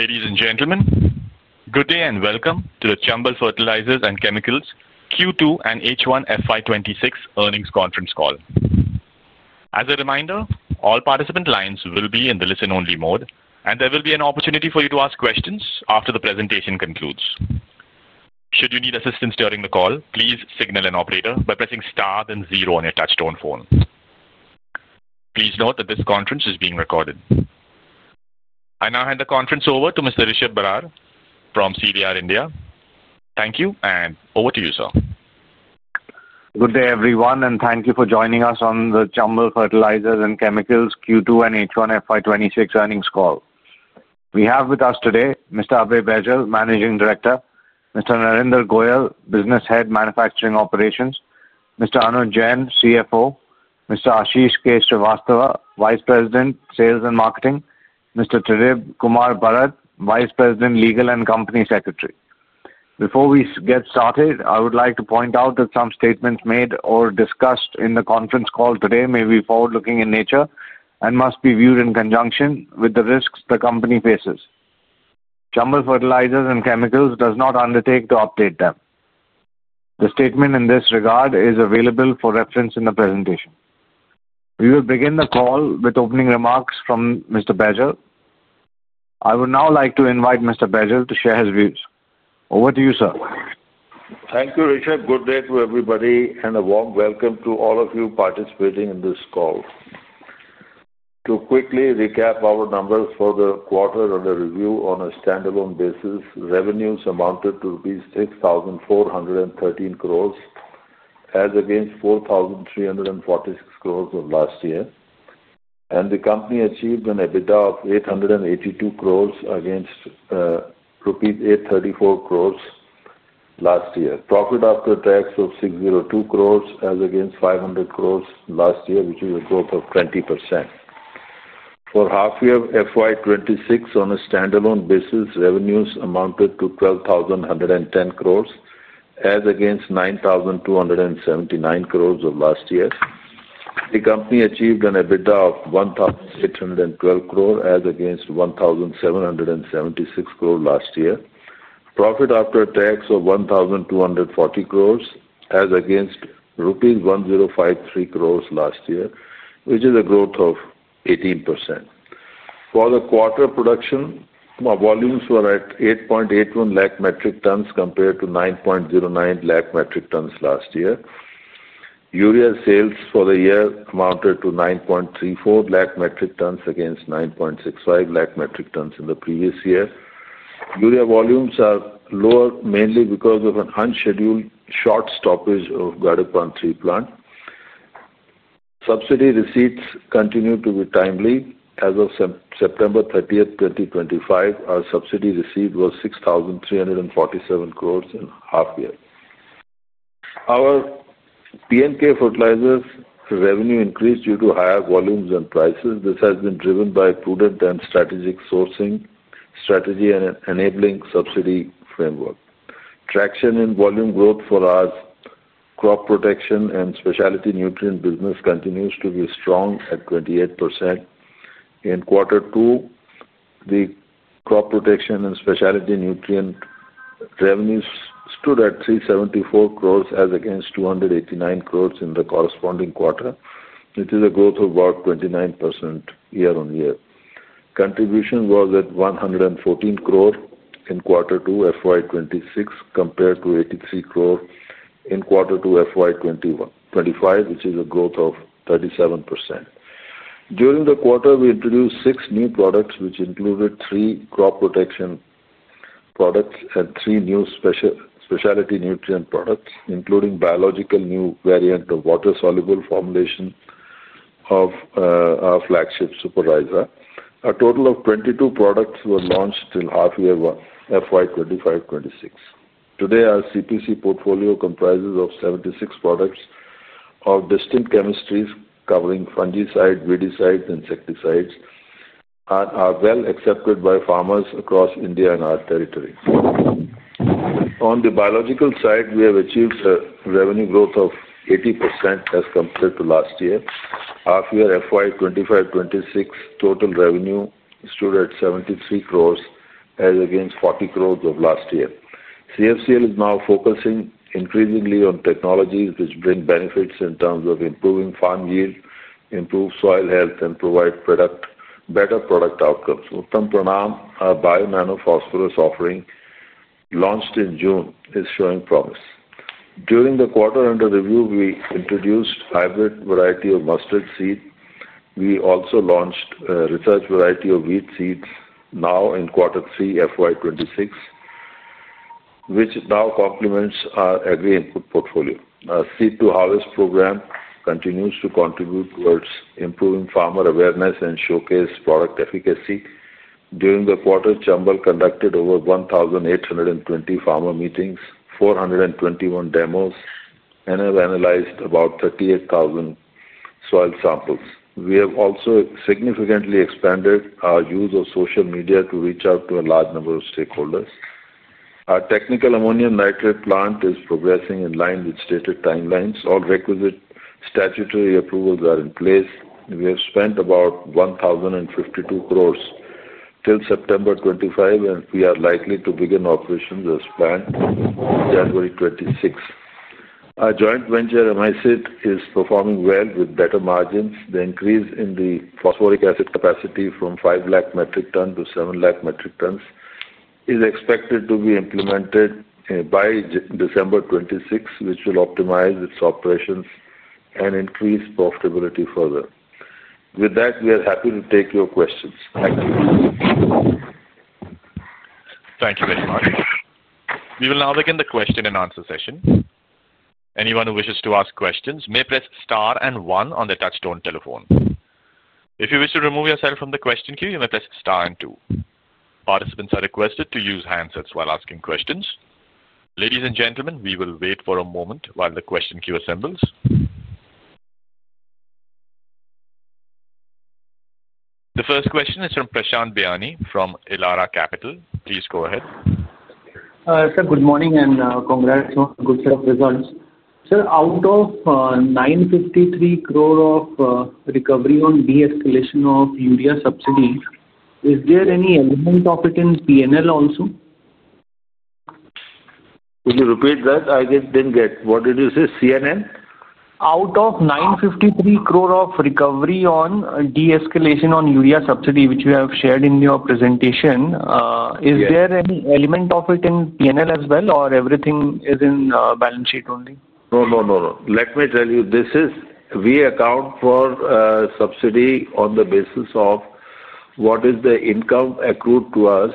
Ladies and gentlemen, good day and welcome to the Chambal Fertilisers and Chemicals Q2 and H1 FY2026 earnings conference call. As a reminder, all participant lines will be in the listen-only mode, and there will be an opportunity for you to ask questions after the presentation concludes. Should you need assistance during the call, please signal an operator by pressing star then zero on your touchstone phone. Please note that this conference is being recorded. I now hand the conference over to Mr. Rishabh Barar from CDR India. Thank you, and over to you, sir. Good day, everyone, and thank you for joining us on the Chambal Fertilisers and Chemicals Q2 and H1 FY2026 earnings call. We have with us today Mr. Abhay Baijal, Managing Director; Mr. Narinder Goyal, Business Head, Manufacturing Operations; Mr. Anuj Jain, CFO; Mr. Ashish Srivastava, Vice President, Sales and Marketing; Mr. Tridib Barat, Vice President, Legal and Company Secretary. Before we get started, I would like to point out that some statements made or discussed in the conference call today may be forward-looking in nature and must be viewed in conjunction with the risks the company faces. Chambal Fertilisers and Chemicals does not undertake to update them. The statement in this regard is available for reference in the presentation. We will begin the call with opening remarks from Mr. Baijal. I would now like to invite Mr. Baijal to share his views. Over to you, sir. Thank you, Rishabh. Good day to everybody, and a warm welcome to all of you participating in this call. To quickly recap our numbers for the quarter and the review on a standalone basis, revenues amounted to rupees 6,413 crore. As against 4,346 crore of last year, and the company achieved an EBITDA of 882 crore against rupees 834 crore last year. Profit after tax of 602 crore as against 500 crore last year, which is a growth of 20%. For half-year FY2026 on a standalone basis, revenues amounted to 12,110 crore as against 9,279 crore last year. The company achieved an EBITDA of 1,812 crore as against 1,776 crore last year. Profit after tax of 1,240 crore as against rupees 1,053 crore last year, which is a growth of 18%. For the quarter, production volumes were at 8.81 lakh metric tons compared to 9.09 lakh metric tons last year. Urea sales for the year amounted to 9.34 lakh metric tons against 9.65 lakh metric tons in the previous year. Urea volumes are lower mainly because of an unscheduled short stoppage of Gadepan 3 plant. Subsidy receipts continue to be timely. As of September 30, 2025, our subsidy receipt was INR 6,347 crore in half-year. Our P&K Fertilisers revenue increased due to higher volumes and prices. This has been driven by prudent and strategic sourcing strategy and enabling subsidy framework. Traction in volume growth for our crop protection and specialty nutrient business continues to be strong at 28%. In quarter two, the crop protection and specialty nutrient revenues stood at 374 crore as against 289 crore in the corresponding quarter, which is a growth of about 29% year-on-year. Contribution was at 114 crore in quarter two FY 2026 compared to 83 crore in quarter two FY 2025, which is a growth of 37%. During the quarter, we introduced six new products, which included three crop protection products and three new specialty nutrient products, including biological new variant of water-soluble formulation of our flagship Suprophos. A total of 22 products were launched in half-year FY 2025-2026. Today, our CPC portfolio comprises 76 products of distinct chemistries covering fungicides, weedicides, and insecticides. These are well accepted by farmers across India and our territory. On the biological side, we have achieved a revenue growth of 80% as compared to last year. Half-year FY 2025-2026 total revenue stood at 73 crore as against 40 crore of last year. CFCL is now focusing increasingly on technologies which bring benefits in terms of improving farm yield, improved soil health, and provide better product outcomes. Uttam Pranam, our bio-nanophosphorus offering, launched in June, is showing promise. During the quarter-end review, we introduced a hybrid variety of mustard seed. We also launched a research variety of wheat seeds now in quarter three of fiscal year 2026, which now complements our agri-input portfolio. Our seed-to-harvest program continues to contribute towards improving farmer awareness and showcase product efficacy. During the quarter, Chambal conducted over 1,820 farmer meetings, 421 demos, and have analyzed about 38,000 soil samples. We have also significantly expanded our use of social media to reach out to a large number of stakeholders. Our technical ammonium nitrate plant is progressing in line with stated timelines. All requisite statutory approvals are in place. We have spent about 1,052 crore till September 25, and we are likely to begin operations as planned in January 2026. Our joint venture, Emisit, is performing well with better margins. The increase in the phosphoric acid capacity from 5 lakh metric tons to 7 lakh metric tons is expected to be implemented by December 2026, which will optimize its operations and increase profitability further. With that, we are happy to take your questions. Thank you. Thank you very much. We will now begin the question-and-answer session. Anyone who wishes to ask questions may press star and one on the touchstone telephone. If you wish to remove yourself from the question queue, you may press star and two. Participants are requested to use handsets while asking questions. Ladies and gentlemen, we will wait for a moment while the question queue assembles. The first question is from Prashant Biyani from Elara Capital. Please go ahead. Sir, good morning and congrats on a good set of results. Sir, out of 953 crore of recovery on de-escalation of urea subsidies, is there any element of it in PNL also? Could you repeat that? I didn't get. What did you say? CDR? Out of 953 crore of recovery on de-escalation on urea subsidy, which you have shared in your presentation, is there any element of it in P&L as well, or everything is in balance sheet only? No, no, no. Let me tell you, we account for subsidy on the basis of what is the income accrued to us.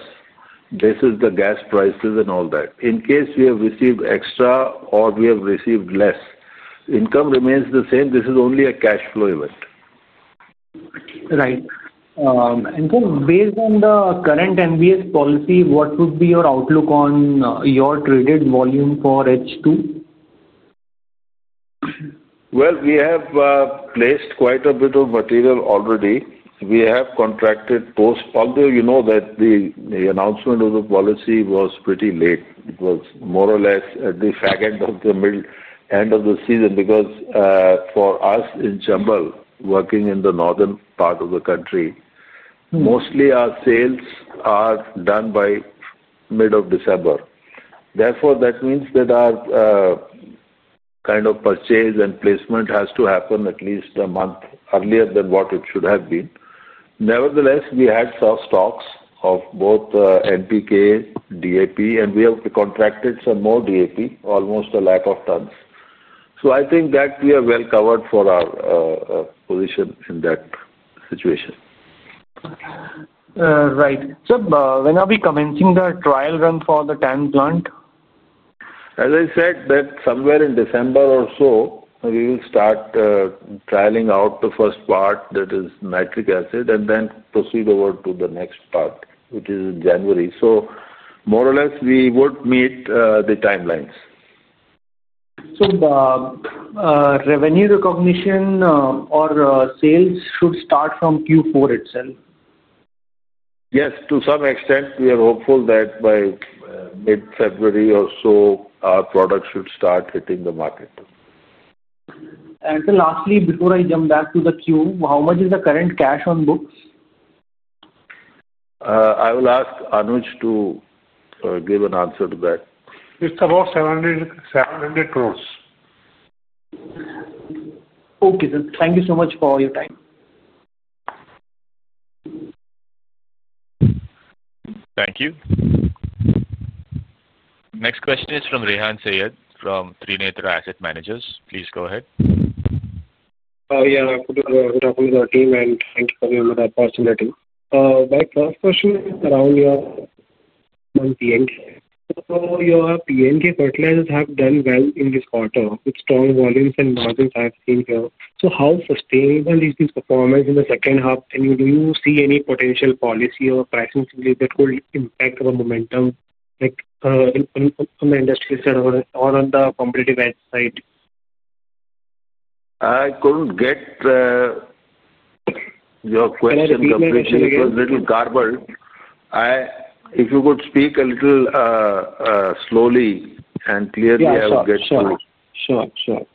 This is the gas prices and all that. In case we have received extra or we have received less, income remains the same. This is only a cash flow event. Right. Sir, based on the current NBS policy, what would be your outlook on your traded volume for H2? We have placed quite a bit of material already. We have contracted post, although you know that the announcement of the policy was pretty late. It was more or less at the end of the middle end of the season because for us in Chambal, working in the northern part of the country, mostly our sales are done by mid-December. Therefore, that means that our kind of purchase and placement has to happen at least a month earlier than what it should have been. Nevertheless, we had some stocks of both NPK, DAP, and we have contracted some more DAP, almost 100,000 tons. I think that we are well covered for our position in that situation. Right. Sir, when are we commencing the trial run for the TAN plant? As I said, that somewhere in December or so, we will start trialing out the first part, that is nitric acid, and then proceed over to the next part, which is in January. More or less, we would meet the timelines. Sir, the revenue recognition or sales should start from Q4 itself? Yes, to some extent. We are hopeful that by mid-February or so, our product should start hitting the market. Sir, lastly, before I jump back to the queue, how much is the current cash on books? I will ask Anuj Jain to give an answer to that. It's about INR 700 crore. Okay, sir. Thank you so much for your time. Thank you. Next question is from Rehan Syed from Three Nature Asset Managers. Please go ahead. Yeah, good afternoon to our team and thank you for the opportunity. My first question is around your month end. So your P&K fertilisers have done well in this quarter with strong volumes and margins I've seen here. How sustainable is this performance in the second half? Do you see any potential policy or pricing that could impact the momentum on the industry side or on the competitive edge side? I couldn't get your question completely because it's a little garbled. If you could speak a little slowly and clearly, I will get through. Sure, sure.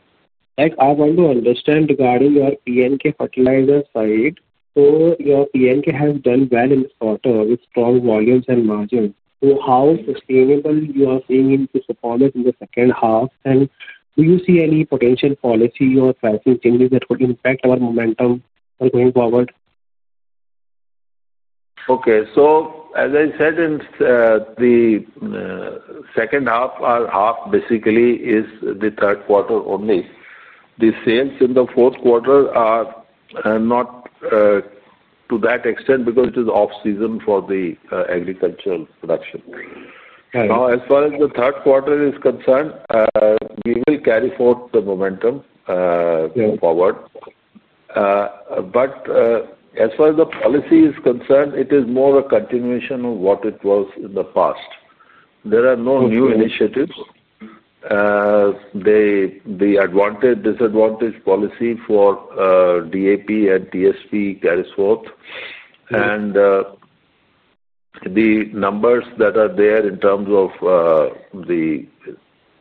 I want to understand regarding your NPK fertiliser side. Your NPK has done well in this quarter with strong volumes and margins. How sustainable are you seeing this performance in the second half? Do you see any potential policy or pricing changes that could impact our momentum going forward? Okay. As I said, in the second half, our half basically is the third quarter only. The sales in the fourth quarter are not to that extent because it is off-season for the agricultural production. Now, as far as the third quarter is concerned, we will carry forward the momentum forward. As far as the policy is concerned, it is more a continuation of what it was in the past. There are no new initiatives. The advantage/disadvantage policy for DAP and TSP carries forth. The numbers that are there in terms of the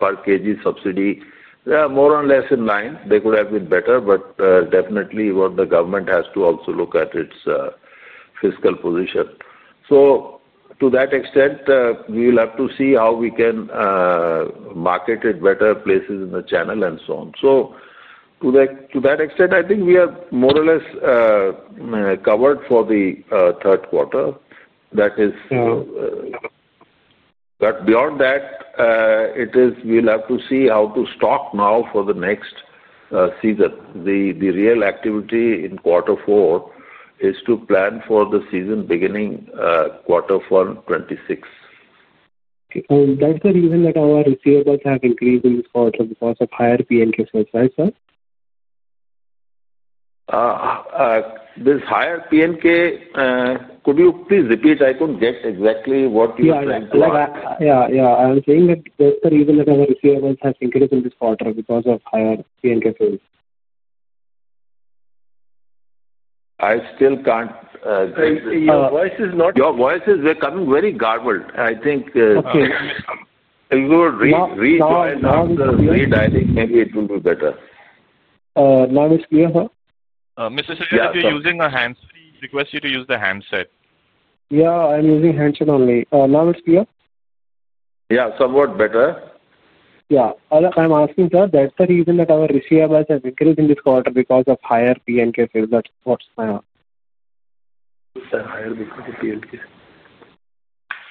per kg subsidy, they are more or less in line. They could have been better, but definitely what the government has to also look at is its fiscal position. To that extent, we will have to see how we can market it better places in the channel and so on. To that extent, I think we are more or less covered for the third quarter. That is. Beyond that, we will have to see how to stock now for the next season. The real activity in quarter four is to plan for the season beginning quarter four 2026. That's the reason that our receivables have increased in this quarter because of higher P&K sales, right, sir? This higher P&K, could you please repeat? I couldn't get exactly what you're trying to ask. Yeah, yeah. I'm saying that that's the reason that our receivables have increased in this quarter because of higher P&K sales. I still can't get. Your voice is not. Your voices are coming very garbled. I think if you would rejoin after redialing, maybe it will be better. Now it's clear, sir? Mr. Syed, if you're using a handset, we request you to use the handset. Yeah, I'm using handset only. Now it's clear? Yeah, somewhat better. Yeah. I'm asking, sir, that's the reason that our receivables have increased in this quarter because of higher P&K sales. That's what's my ask. What's the higher P&K?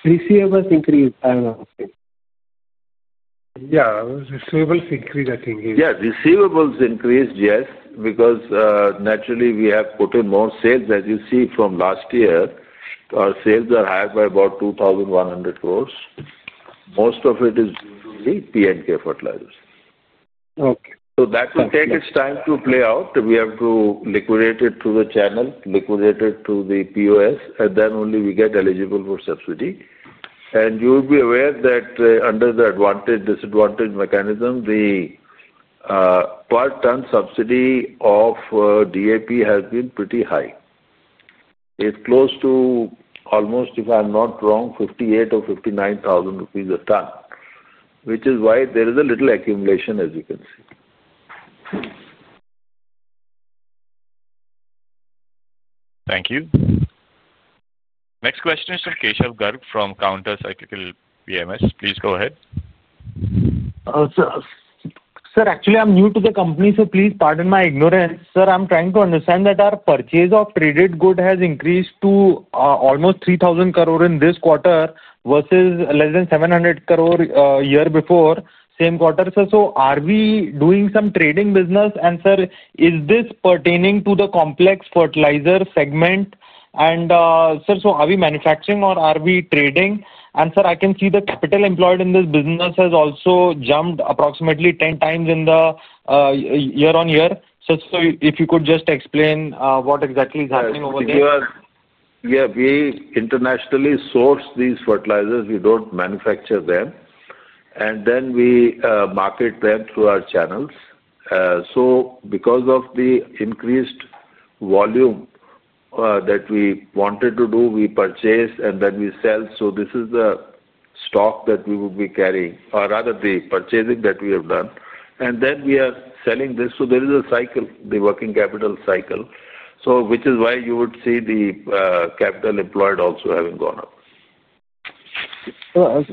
Receivables increased, I'm asking. Yeah, receivables increased, I think. Yeah, receivables increased, yes, because naturally we have put in more sales. As you see from last year, our sales are higher by about 21 billion. Most of it is due to the P&K fertilisers. Okay. That will take its time to play out. We have to liquidate it through the channel, liquidate it through the POS, and then only we get eligible for subsidy. You will be aware that under the advantage/disadvantage mechanism, the per ton subsidy of DAP has been pretty high. It is close to almost 58,000 or 59,000 rupees a ton, which is why there is a little accumulation, as you can see. Thank you. Next question is from Keshav Garg from Countercyclical PMS. Please go ahead. Sir, actually, I'm new to the company, so please pardon my ignorance. Sir, I'm trying to understand that our purchase of traded goods has increased to almost 3,000 crore in this quarter versus less than 700 crore a year before, same quarter. Sir, are we doing some trading business? Sir, is this pertaining to the complex fertiliser segment? Sir, are we manufacturing or are we trading? Sir, I can see the capital employed in this business has also jumped approximately 10 times year on year. Sir, if you could just explain what exactly is happening over there. Yeah, we internationally source these fertilisers. We don't manufacture them. Then we market them through our channels. Because of the increased volume that we wanted to do, we purchase and then we sell. This is the stock that we would be carrying, or rather the purchasing that we have done. Then we are selling this. There is a cycle, the working capital cycle, which is why you would see the capital employed also having gone up. Sir,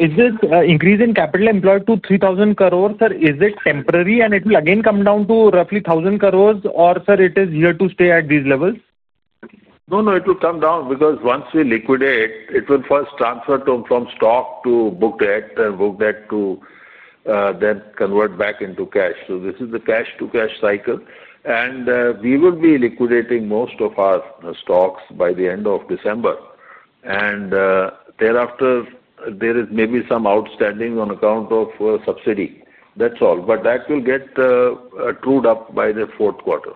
is this increase in capital employed to 3,000 crore temporary and will it again come down to roughly 1,000 crore, or is it here to stay at these levels? No, no, it will come down because once we liquidate, it will first transfer from stock to book debt and book debt to. Then convert back into cash. This is the cash-to-cash cycle. We will be liquidating most of our stocks by the end of December. Thereafter, there is maybe some outstanding on account of subsidy. That's all. That will get trued up by the fourth quarter.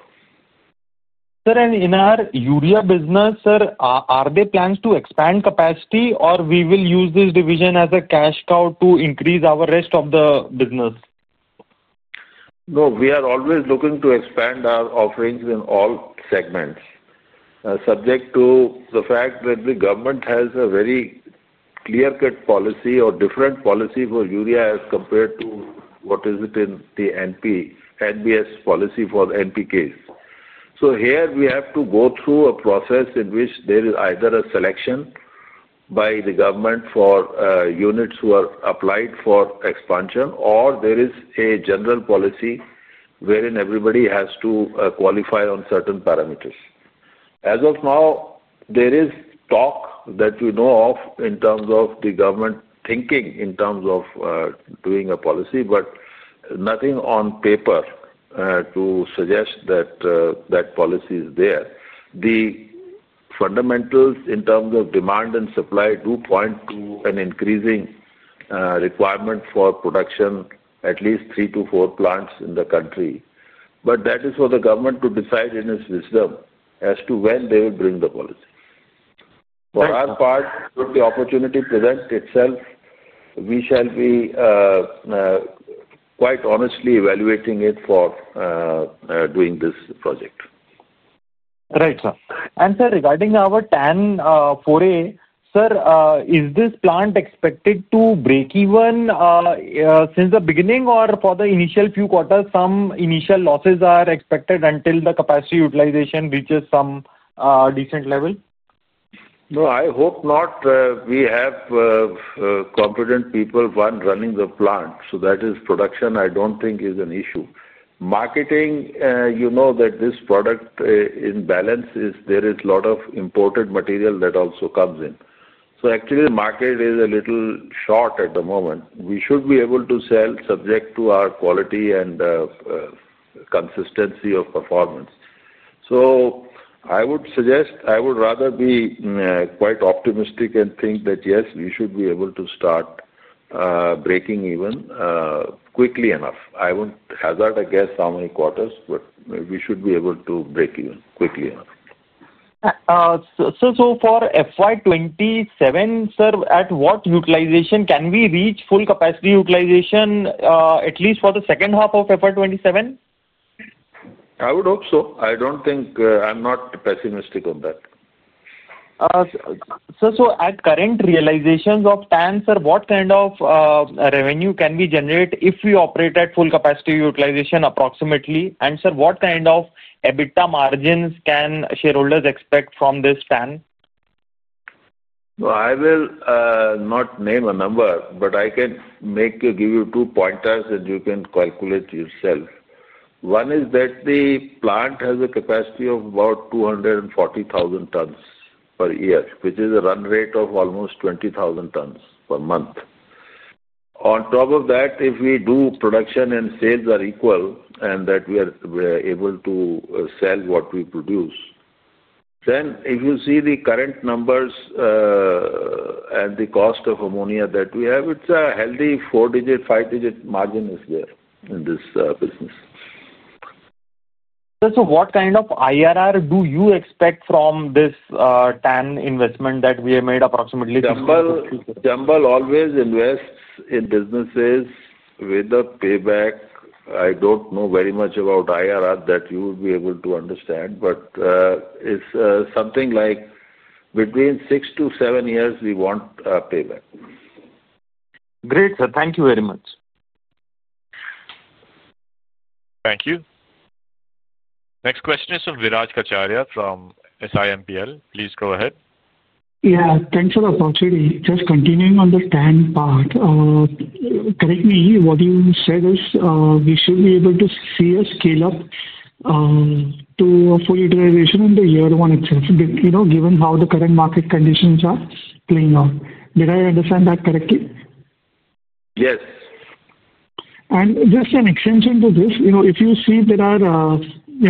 Sir, and in our urea business, sir, are there plans to expand capacity or we will use this division as a cash cow to increase our rest of the business? No, we are always looking to expand our offerings in all segments. Subject to the fact that the government has a very clear-cut policy or different policy for urea as compared to what is it in the NPS policy for NPKs. Here, we have to go through a process in which there is either a selection by the government for units who have applied for expansion, or there is a general policy wherein everybody has to qualify on certain parameters. As of now, there is talk that we know of in terms of the government thinking in terms of doing a policy, but nothing on paper to suggest that that policy is there. The fundamentals in terms of demand and supply do point to an increasing requirement for production, at least three to four plants in the country. That is for the government to decide in its wisdom as to when they will bring the policy. For our part, if the opportunity presents itself, we shall be quite honestly evaluating it for doing this project. Right, sir. And sir, regarding our 104A, sir, is this plant expected to break even? Since the beginning or for the initial few quarters, some initial losses are expected until the capacity utilisation reaches some decent level? No, I hope not. We have confident people running the plant. That is production, I do not think is an issue. Marketing, you know that this product in balance, there is a lot of imported material that also comes in. Actually, the market is a little short at the moment. We should be able to sell subject to our quality and consistency of performance. I would suggest, I would rather be quite optimistic and think that yes, we should be able to start breaking even quickly enough. I will not hazard a guess how many quarters, but we should be able to break even quickly enough. Sir, for FY 2027, sir, at what utilisation can we reach full capacity utilisation at least for the second half of FY 2027? I would hope so. I do not think I am not pessimistic on that. Sir, at current realizations of 10, sir, what kind of revenue can we generate if we operate at full capacity utilization approximately? Sir, what kind of EBITDA margins can shareholders expect from this 10? I will not name a number, but I can give you two pointers that you can calculate yourself. One is that the plant has a capacity of about 240,000 tons per year, which is a run rate of almost 20,000 tons per month. On top of that, if we do production and sales are equal and that we are able to sell what we produce. If you see the current numbers, and the cost of ammonia that we have, it is a healthy four-digit, five-digit margin is there in this business. Sir, so what kind of IRR do you expect from this INR 10 investment that we have made approximately? Chambal always invests in businesses with a payback. I do not know very much about IRR that you would be able to understand, but. It is something like between six and seven years we want a payback. Great, sir. Thank you very much. Thank you. Next question is from Viraj Kacharya from SIMPL. Please go ahead. Yeah, thanks for the opportunity. Just continuing on the TAN part. Correct me, what you said is we should be able to see a scale-up to a full utilisation in the year one itself, given how the current market conditions are playing out. Did I understand that correctly? Yes. Just an extension to this, if you see there are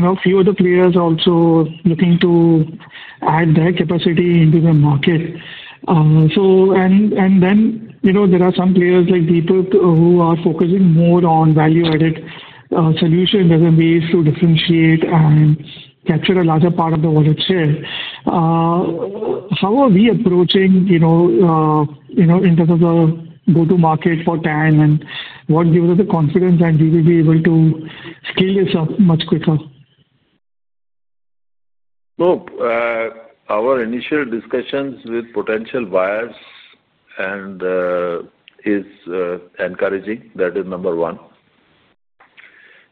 a few other players also looking to add their capacity into the market. There are some players like Deepak who are focusing more on value-added solutions as a way to differentiate and capture a larger part of the wallet share. How are we approaching in terms of the go-to-market for TAN and what gives us the confidence that we will be able to scale this up much quicker? Our initial discussions with potential buyers is encouraging. That is number one.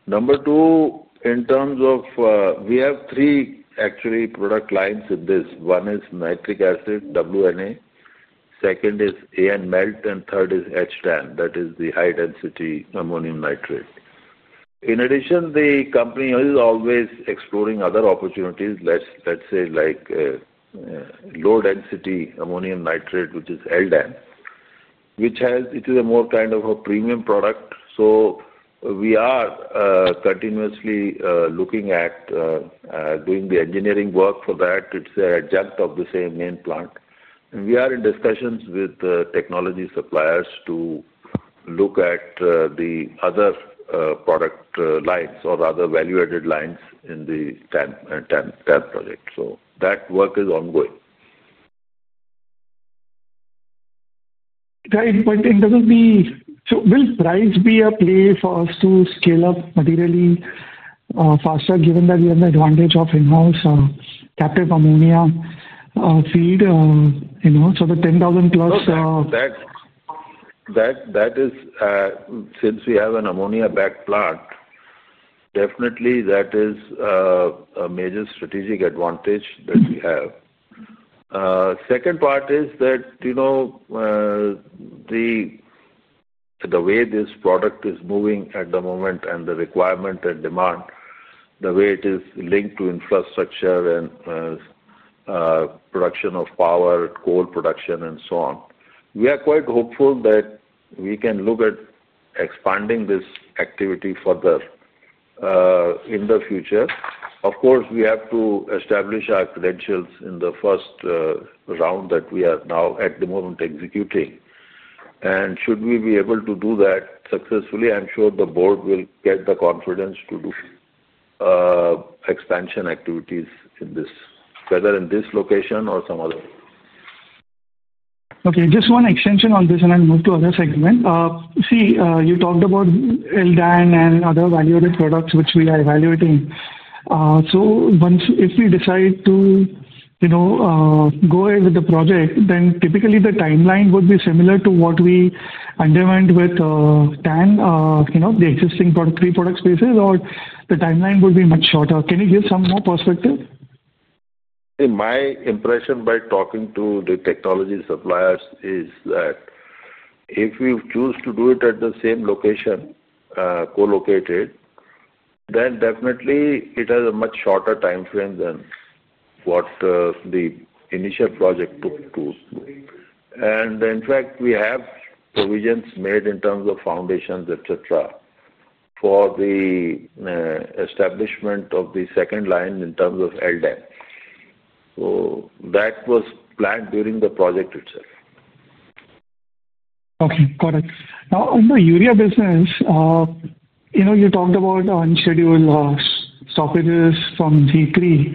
Number two, in terms of we have three actually product lines in this. One is nitric acid, WNA. Second is AN Melt, and third is HDAN. That is the high-density ammonium nitrate. In addition, the company is always exploring other opportunities, like low-density ammonium nitrate, which is LDAN, which is a more kind of a premium product. We are continuously looking at doing the engineering work for that. It is an adjunct of the same main plant. We are in discussions with technology suppliers to look at the other product lines or other value-added lines in the TAN project. That work is ongoing. Right, but in terms of the, so will price be a play for us to scale up materially faster given that we have the advantage of in-house captive ammonia feed? So the 10,000 plus. That is. Since we have an ammonia-backed plant, definitely that is a major strategic advantage that we have. Second part is that the way this product is moving at the moment and the requirement and demand, the way it is linked to infrastructure and production of power, coal production, and so on, we are quite hopeful that we can look at expanding this activity further in the future. Of course, we have to establish our credentials in the first round that we are now at the moment executing. Should we be able to do that successfully, I'm sure the board will get the confidence to do expansion activities in this, whether in this location or some other. Okay, just one extension on this and then move to other segment. See, you talked about LDAN and other value-added products which we are evaluating. If we decide to go ahead with the project, then typically the timeline would be similar to what we underwent with TAN, the existing three product spaces, or the timeline would be much shorter. Can you give some more perspective? My impression by talking to the technology suppliers is that if we choose to do it at the same location, co-located, then definitely it has a much shorter timeframe than what the initial project took to. In fact, we have provisions made in terms of foundations, etc., for the establishment of the second line in terms of LDAN. That was planned during the project itself. Okay, got it. Now, in the urea business. You talked about unscheduled stoppages from G3.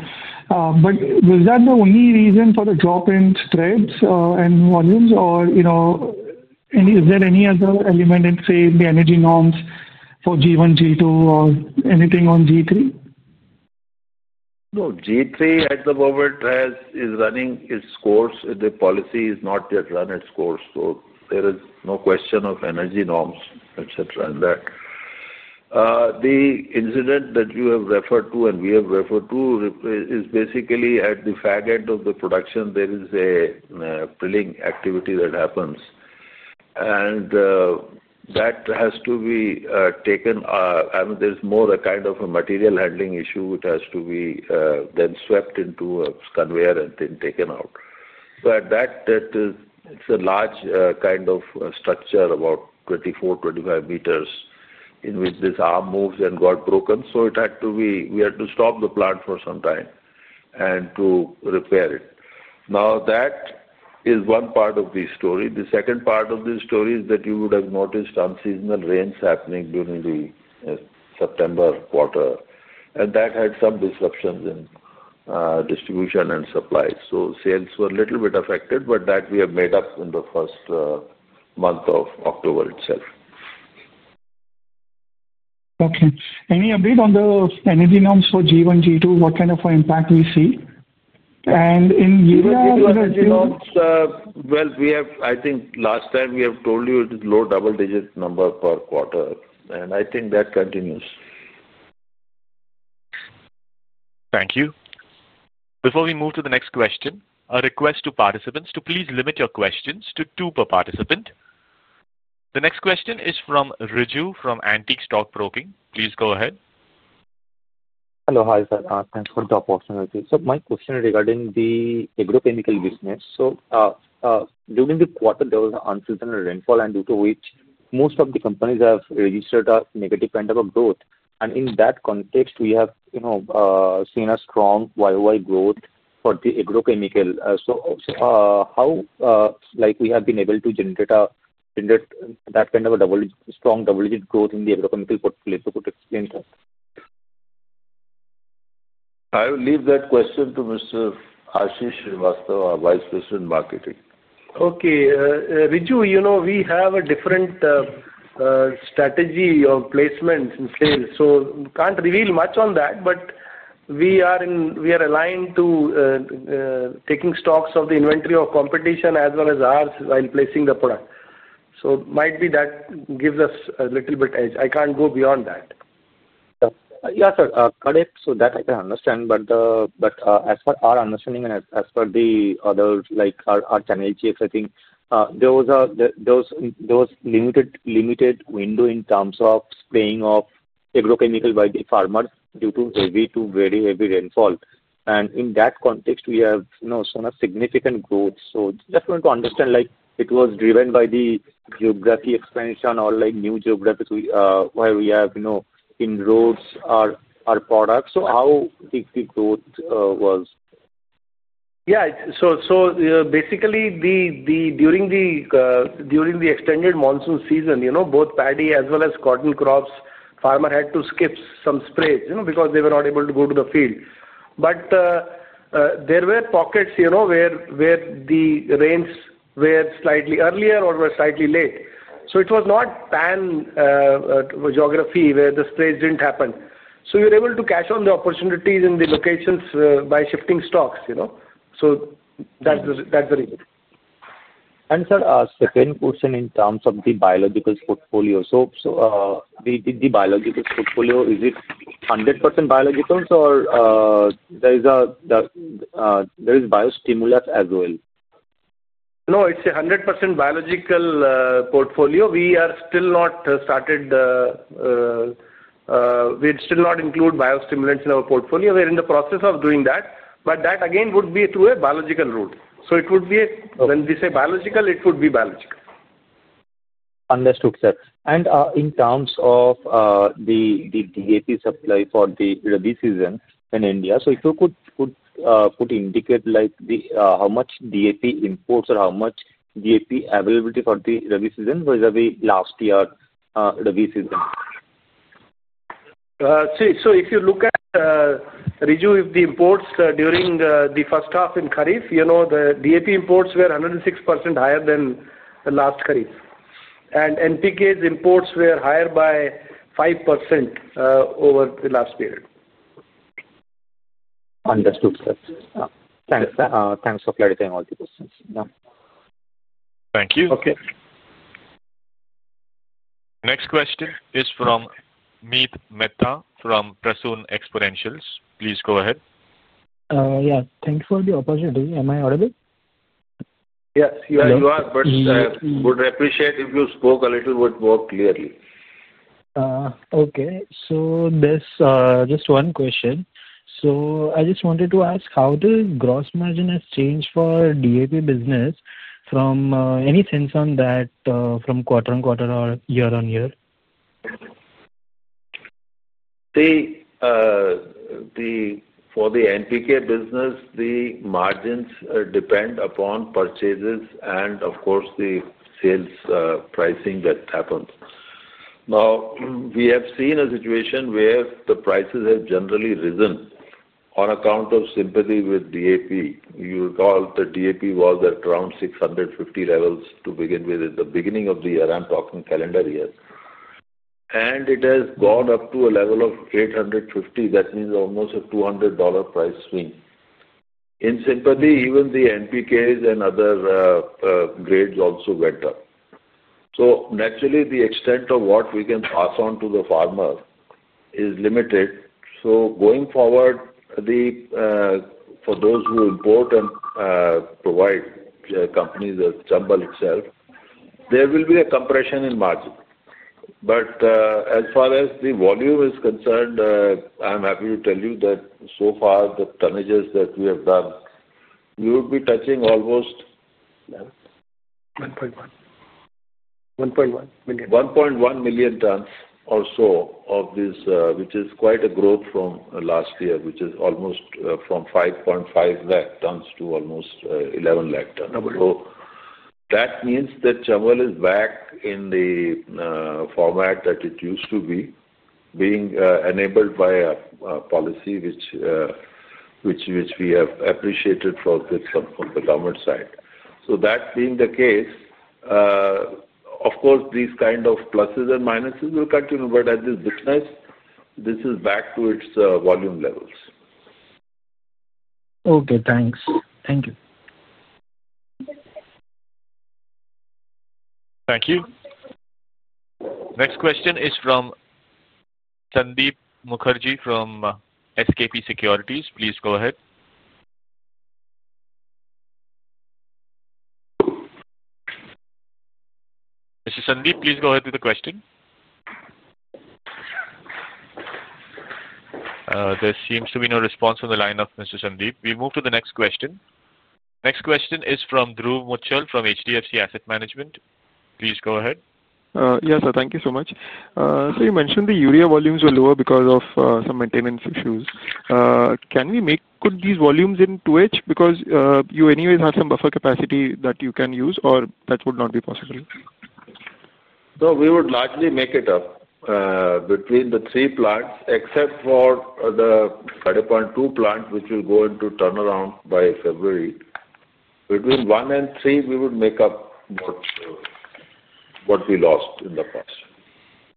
Was that the only reason for the drop in spreads and volumes, or is there any other element in, say, the energy norms for G1, G2, or anything on G3? No, G3, as the moment as is running its course, the policy is not yet run its course. So there is no question of energy norms, etc., in that. The incident that you have referred to and we have referred to is basically at the fag end of the production. There is a drilling activity that happens. I mean, there is more a kind of a material handling issue which has to be then swept into a conveyor and then taken out. That is a large kind of structure, about 24-25 meters, in which this arm moves and got broken. So we had to stop the plant for some time and repair it. Now, that is one part of the story. The second part of the story is that you would have noticed unseasonal rains happening during the September quarter. That had some disruptions in distribution and supply. Sales were a little bit affected, but that we have made up in the first month of October itself. Okay. Any update on the energy norms for G1, G2? What kind of an impact do we see? In urea? I think last time we have told you it is a low double-digit number per quarter. I think that continues. Thank you. Before we move to the next question, a request to participants to please limit your questions to two per participant. The next question is from Riju from Antique Stockbroking. Please go ahead. Hello, hi sir. Thanks for the opportunity. My question is regarding the agrochemical business. During the quarter, there was an unseasonal rainfall, due to which most of the companies have registered a negative kind of growth. In that context, we have seen a strong YoY growth for the agrochemical. How have we been able to generate that kind of strong double-digit growth in the agrochemical portfolio? Could you explain that? I will leave that question to Mr. Ashish K. Srivastava, our Vice President of Marketing. Okay. Riju, we have a different strategy of placement in sales. We can't reveal much on that, but we are aligned to taking stocks of the inventory of competition as well as ours while placing the product. It might be that gives us a little bit edge. I can't go beyond that. Yes, sir. Correct. So that I can understand. As per our understanding and as per the other, like our Channel Chiefs, I think there was a limited window in terms of spraying of agrochemical by the farmers due to heavy to very heavy rainfall. In that context, we have seen a significant growth. Just wanted to understand, it was driven by the geography expansion or new geography where we have inroads our products. How the growth was? Yeah. So basically, during the extended monsoon season, both paddy as well as cotton crops, farmers had to skip some sprays because they were not able to go to the field. There were pockets where the rains were slightly earlier or were slightly late. It was not one geography where the sprays did not happen. We were able to catch on the opportunities in the locations by shifting stocks. That is the reason. Sir, a second question in terms of the biological portfolio. The biological portfolio, is it 100% biological, or is there bio-stimulant as well? No, it's a 100% biological portfolio. We are still not started. We have still not included biostimulants in our portfolio. We are in the process of doing that. That, again, would be through a biological route. When we say biological, it would be biological. Understood, sir. In terms of the DAP supply for the rabies season in India, if you could indicate how much DAP imports or how much DAP availability for the rabies season versus the last year rabies season? If you look at Riju, the imports during the first half in Kharif, the DAP imports were 106% higher than the last Kharif. NPK's imports were higher by 5% over the last period. Understood, sir. Thanks for clarifying all the questions. Yeah. Thank you. Okay. Next question is from Meet Mehta from Prasoon Exponentials. Please go ahead. Yeah. Thank you for the opportunity. Am I audible? Yes, you are. I would appreciate if you spoke a little bit more clearly. Okay. Just one question. I just wanted to ask, how does gross margin change for DAP business from any sense on that from quarter on quarter or year on year? For the NPK business, the margins depend upon purchases and, of course, the sales pricing that happens. Now, we have seen a situation where the prices have generally risen on account of sympathy with DAP. You recall the DAP was at around $650 levels to begin with at the beginning of the year, I'm talking calendar year. And it has gone up to a level of $850. That means almost a $200 price swing. In sympathy, even the NPKs and other grades also went up. Naturally, the extent of what we can pass on to the farmer is limited. Going forward, for those who import and provide companies as Chambal itself, there will be a compression in margin. As far as the volume is concerned, I'm happy to tell you that so far, the tonnages that we have done, we would be touching almost. 1.1 million. 1.1 million tons or so of this, which is quite a growth from last year, which is almost from 5.5 lakh tons to almost 11 lakh tons. That means that Chambal is back in the format that it used to be, being enabled by a policy which we have appreciated from the government side. That being the case, of course, these kind of pluses and minuses will continue. At this business, this is back to its volume levels. Okay. Thanks. Thank you. Thank you. Next question is from Sandeep Mukherjee from SKP Securities. Please go ahead. Mr. Sandeep, please go ahead with the question. There seems to be no response on the line of Mr. Sandeep. We move to the next question. Next question is from Dhruv Muchal from HDFC Asset Management. Please go ahead. Yes, sir. Thank you so much. You mentioned the urea volumes were lower because of some maintenance issues. Can we get these volumes in 2H because you anyways have some buffer capacity that you can use, or that would not be possible? No, we would largely make it up. Between the three plants, except for the 2.2 plant which will go into turnaround by February. Between one and three, we would make up what we lost in the past.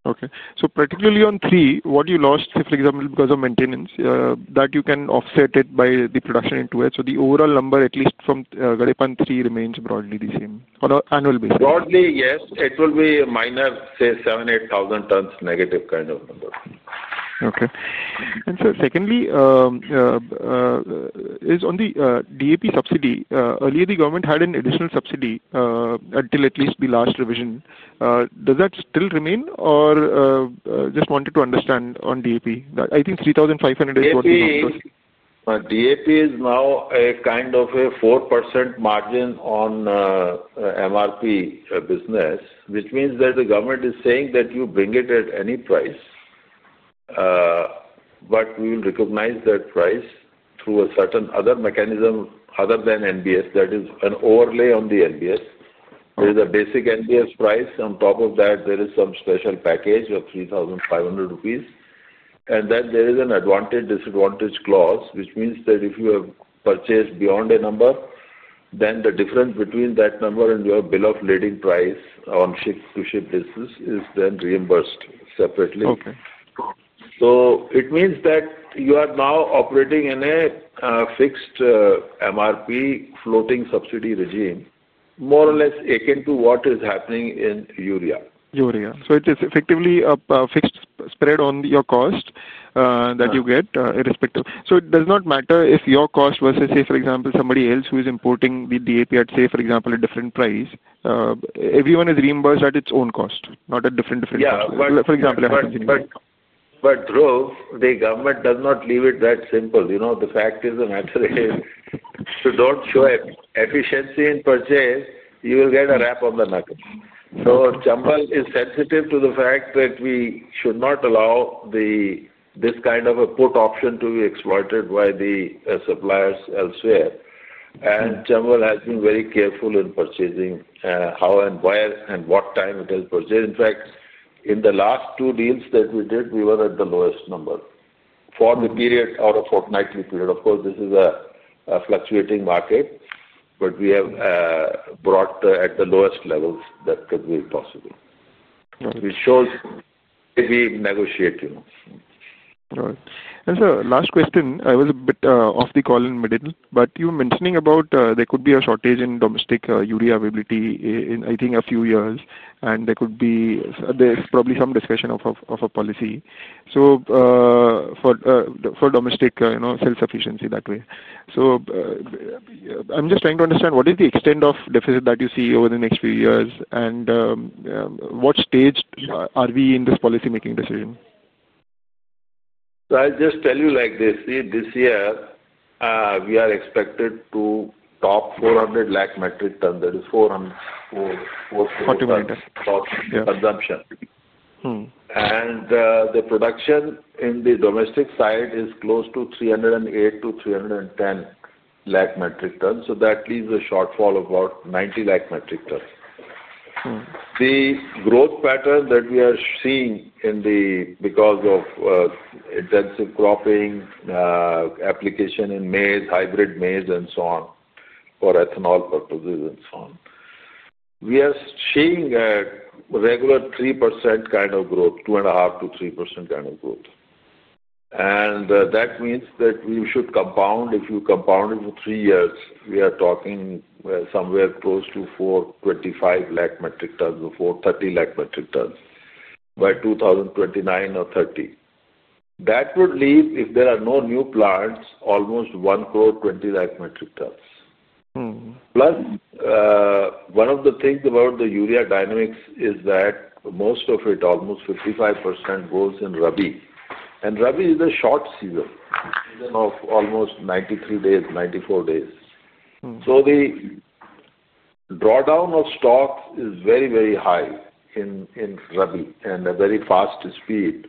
Okay. So particularly on three, what you lost, say, for example, because of maintenance, that you can offset it by the production in 2H, so the overall number, at least from 3.3, remains broadly the same on an annual basis? Broadly, yes. It will be a minor, say, 7,000-8,000 tons negative kind of number. Okay. Sir, secondly, is on the DAP subsidy. Earlier the government had an additional subsidy until at least the last revision. Does that still remain, or just wanted to understand on DAP? I think 3,500 is what you mentioned. DAP is now a kind of a 4% margin on MRP business, which means that the government is saying that you bring it at any price. But we will recognize that price through a certain other mechanism other than NBS. That is an overlay on the NBS. There is a basic NBS price. On top of that, there is some special package of 3,500 rupees. And then there is an advantage/disadvantage clause, which means that if you have purchased beyond a number, then the difference between that number and your bill of lading price on ship-to-ship distance is then reimbursed separately. So it means that you are now operating in a fixed MRP floating subsidy regime, more or less akin to what is happening in urea. Urea. It is effectively a fixed spread on your cost that you get irrespective. It does not matter if your cost versus, say, for example, somebody else who is importing the DAP at, say, for example, a different price. Everyone is reimbursed at its own cost, not at different costs. For example, I have continued. Dhruv, the government does not leave it that simple. The fact is the matter is, to not show efficiency in purchase, you will get a rap on the knuckle. Chambal is sensitive to the fact that we should not allow this kind of a put option to be exploited by the suppliers elsewhere. Chambal has been very careful in purchasing how and where and what time it is purchased. In fact, in the last two deals that we did, we were at the lowest number for the period or a fortnightly period. Of course, this is a fluctuating market, but we have brought at the lowest levels that could be possible. It shows. Maybe negotiate. All right. Sir, last question. I was a bit off the call in the middle, but you were mentioning about there could be a shortage in domestic urea availability in, I think, a few years. There could be probably some discussion of a policy for domestic self-sufficiency that way. I am just trying to understand, what is the extent of deficit that you see over the next few years, and what stage are we in this policymaking decision? I'll just tell you like this. See, this year, we are expected to top 400 lakh metric tons. That is 400. 42 meters. Tons consumption. The production in the domestic side is close to 308-310 lakh metric tons. That leaves a shortfall of about 90 lakh metric tons. The growth pattern that we are seeing is because of intensive cropping, application in maize, hybrid maize, and so on, for ethanol purposes and so on. We are seeing a regular 3% kind of growth, 2.5-3% kind of growth. That means we should compound. If you compound it for three years, we are talking somewhere close to 425 lakh metric tons or 430 lakh metric tons by 2029 or 2030. That would leave, if there are no new plants, almost 1 crore 20 lakh metric tons. Plus, one of the things about the urea dynamics is that most of it, almost 55%, goes in rabi. Rabi is a short season. Of almost 93 days, 94 days. The drawdown of stocks is very, very high in rabi and at a very fast speed.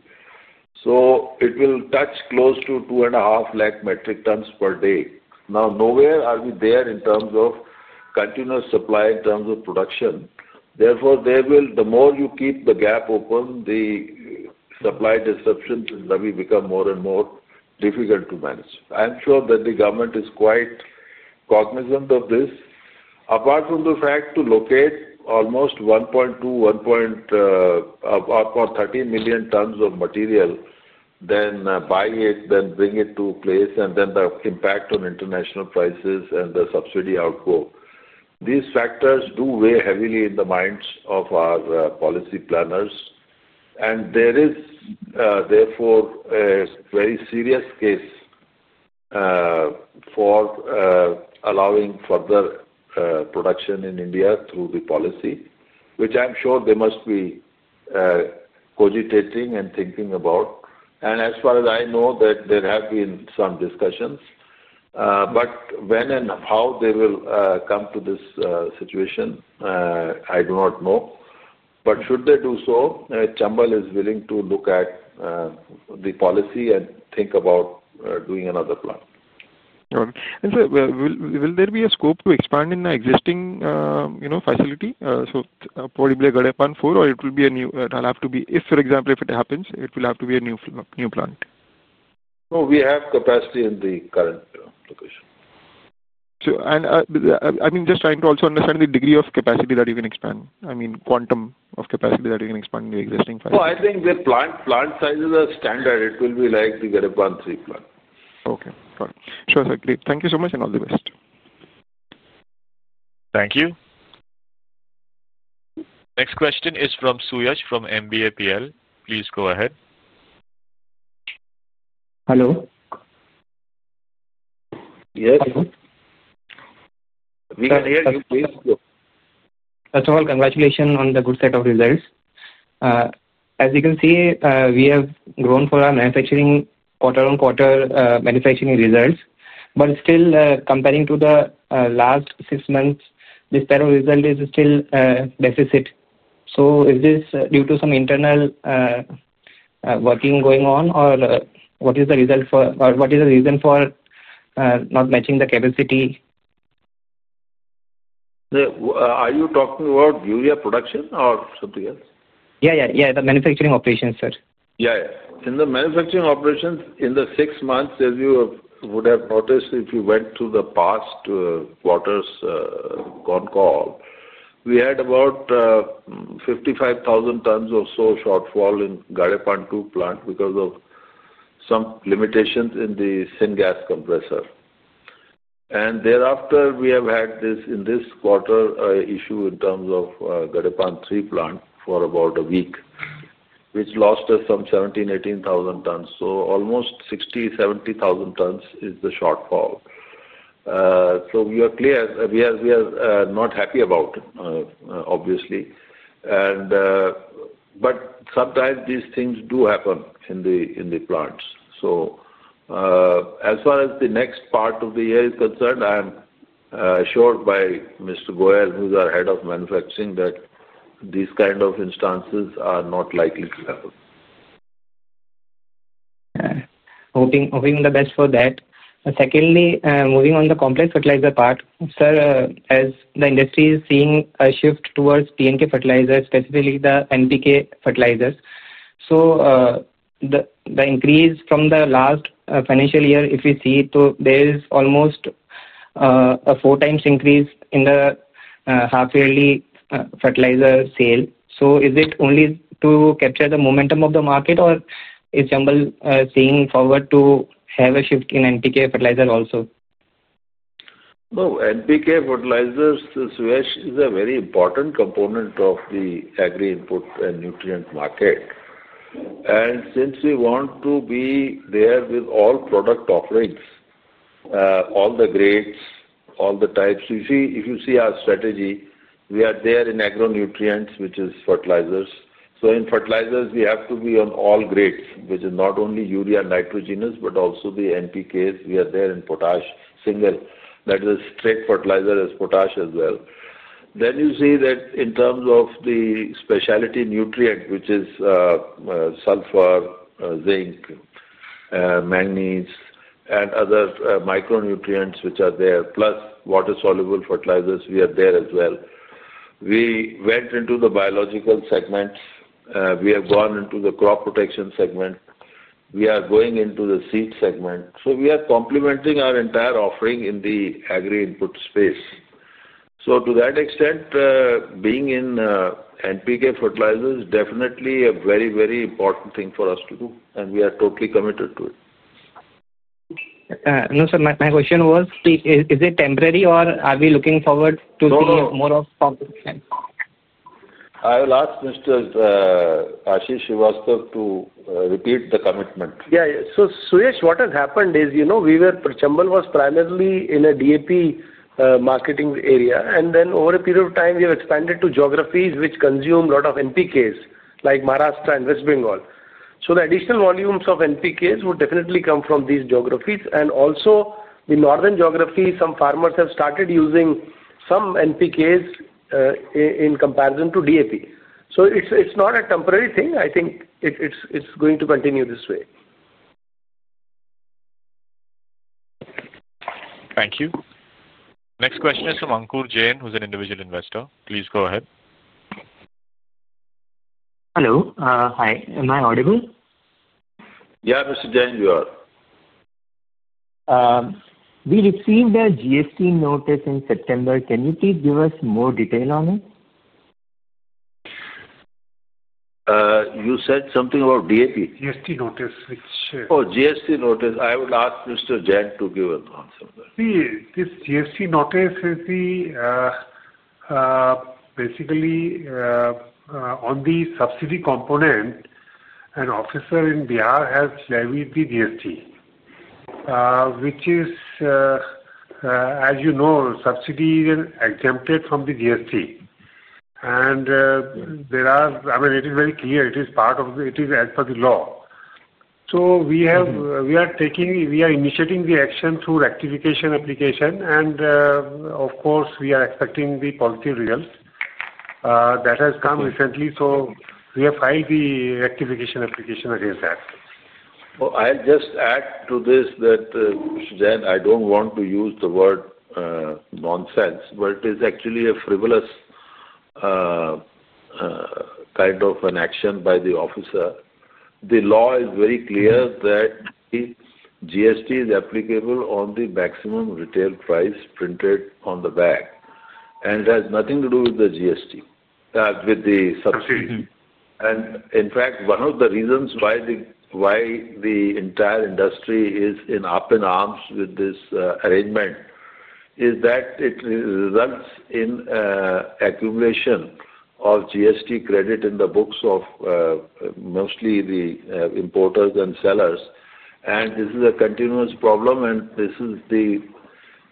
It will touch close to 2.5 lakh metric tons per day. Nowhere are we there in terms of continuous supply in terms of production. Therefore, the more you keep the gap open, the supply disruptions in rabi become more and more difficult to manage. I am sure that the government is quite cognizant of this. Apart from the fact to locate almost 1.2, 1 or 13 million tons of material, then buy it, then bring it to place, and then the impact on international prices and the subsidy outgrowth. These factors do weigh heavily in the minds of our policy planners. There is therefore a very serious case for allowing further production in India through the policy, which I am sure they must be. Cogitating and thinking about. As far as I know, there have been some discussions. When and how they will come to this situation, I do not know. Should they do so, Chambal is willing to look at the policy and think about doing another plant. All right. Sir, will there be a scope to expand in the existing facility? Probably Gadepan 4, or it will be a new, it will have to be, if, for example, if it happens, it will have to be a new plant. No, we have capacity in the current location. I mean, just trying to also understand the degree of capacity that you can expand. I mean, quantum of capacity that you can expand in the existing facility. No, I think the plant sizes are standard. It will be like the Gadepan 3 plant. Okay. Got it. Sure, sir. Great. Thank you so much and all the best. Thank you. Next question is from Suyash from MBAPL. Please go ahead. Hello. Yes. We can hear you, please. Chambal, congratulations on the good set of results. As you can see, we have grown for our manufacturing quarter-on-quarter manufacturing results. Still, comparing to the last six months, this kind of result is still deficit. Is this due to some internal working going on, or what is the result for, or what is the reason for not matching the capacity? Are you talking about urea production or something else? Yeah, the manufacturing operations, sir. Yeah, yeah. In the manufacturing operations, in the six months, as you would have noticed if you went to the past quarters, on call, we had about 55,000 tons or so shortfall in Gadepan 2 plant because of some limitations in the syngas compressor. Thereafter, we have had this in this quarter issue in terms of Gadepan 3 plant for about a week, which lost us some 17,000-18,000 tons. Almost 60,000-70,000 tons is the shortfall. We are clear we are not happy about it, obviously. Sometimes these things do happen in the plants. As far as the next part of the year is concerned, I am assured by Mr. Goyal, who's our Head of Manufacturing, that these kind of instances are not likely to happen. Yeah. Hoping the best for that. Secondly, moving on the complex fertilizer part, sir, as the industry is seeing a shift towards NPK fertilizers, specifically the NPK fertilizers. The increase from the last financial year, if we see, there is almost a four-times increase in the half-yearly fertilizer sale. Is it only to capture the momentum of the market, or is Chambal seeing forward to have a shift in NPK fertilizer also? No, NPK fertilizers, Suyash, is a very important component of the agri-input and nutrient market. Since we want to be there with all product offerings, all the grades, all the types. You see, if you see our strategy, we are there in agro-nutrients, which is fertilizers. In fertilizers, we have to be on all grades, which is not only urea nitrogenous, but also the NPKs. We are there in potash, single. That is a straight fertilizer as potash as well. You see that in terms of the specialty nutrient, which is sulfur, zinc, manganese, and other micronutrients which are there, plus water-soluble fertilizers, we are there as well. We went into the biological segments. We have gone into the crop protection segment. We are going into the seed segment. We are complementing our entire offering in the agri-input space. To that extent, being in. NPK fertilizer is definitely a very, very important thing for us to do, and we are totally committed to it. No, sir, my question was, is it temporary, or are we looking forward to seeing more of complex? I will ask Mr. Ashish Srivastava to repeat the commitment. Yeah, yeah. Suyash, what has happened is Chambal was primarily in a DAP marketing area, and then over a period of time, we have expanded to geographies which consume a lot of NPKs, like Maharashtra and West Bengal. The additional volumes of NPKs would definitely come from these geographies. Also, the northern geography, some farmers have started using some NPKs in comparison to DAP. It is not a temporary thing. I think it is going to continue this way. Thank you. Next question is from Ankur Jain, who's an individual investor. Please go ahead. Hello. Hi. Am I audible? Yeah, Mr. Jain, you are. We received a GST notice in September. Can you please give us more detail on it? You said something about DAP? GST notice, which. Oh, GST notice. I would ask Mr. Jain to give an answer. See, this GST notice is the, basically, on the subsidy component. An officer in Bihar has levied the GST, which is, as you know, subsidy is exempted from the GST. I mean, it is very clear. It is as per the law. We are taking, we are initiating the action through rectification application, and of course, we are expecting the positive results. That has come recently, so we have filed the rectification application against that. I'll just add to this that, Mr. Jain, I don't want to use the word nonsense, but it is actually a frivolous kind of an action by the officer. The law is very clear that GST is applicable on the maximum retail price printed on the bag, and it has nothing to do with the GST, with the subsidy. In fact, one of the reasons why the entire industry is up in arms with this arrangement is that it results in accumulation of GST credit in the books of mostly the importers and sellers. This is a continuous problem, and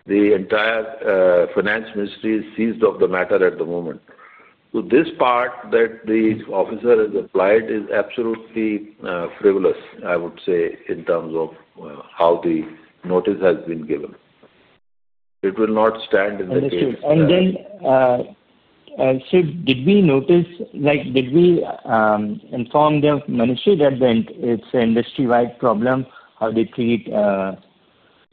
the entire finance ministry is seized of the matter at the moment. This part that the officer has applied is absolutely frivolous, I would say, in terms of how the notice has been given. It will not stand in the case. Understood. Sir, did we notice, did we inform the ministry that it's an industry-wide problem how they treat the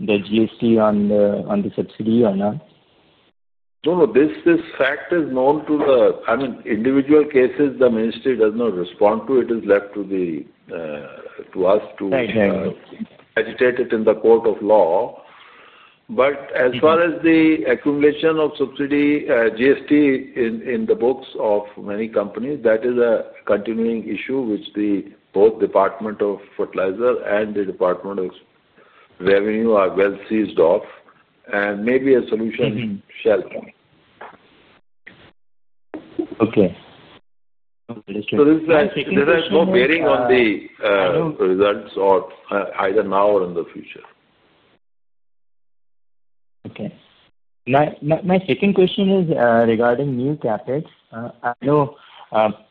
GST on the subsidy or not? No, no. This fact is known to the, I mean, individual cases, the ministry does not respond to. It is left to us to. Right, right. Agitate it in the court of law. As far as the accumulation of subsidy GST in the books of many companies, that is a continuing issue which both the Department of Fertilizer and the Department of Revenue are well seized of, and maybe a solution shall come. Okay. There's no bearing on the results either now or in the future. Okay. My second question is regarding new capex. I know